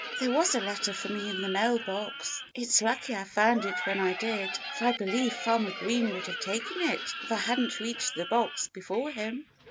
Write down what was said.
"There was a letter for me in the mail box. It's lucky I found it when I did, for I believe Farmer Green would have taken it if I hadn't reached the box before him."